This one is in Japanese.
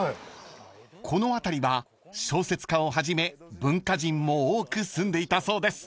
［この辺りは小説家をはじめ文化人も多く住んでいたそうです］